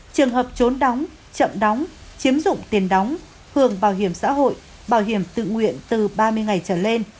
trường hợp trốn đóng chậm đóng chiếm dụng tiền đóng hưởng bảo hiểm xã hội bảo hiểm tự nguyện từ ba mươi ngày trở lên